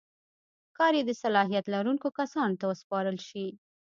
کار یې د صلاحیت لرونکو کسانو ته وسپارل شي.